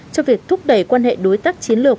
cho việc thúc đẩy quan hệ đối tác chiến lược